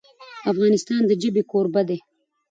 افغانستان د ژبې کوربه دی.